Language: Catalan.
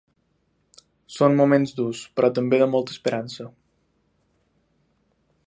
Són moments durs però també de molta esperança.